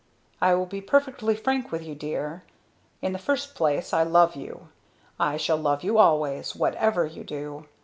"I will be perfectly frank with you, Dear. "In the first place I love you. I shall love you always, whatever you do.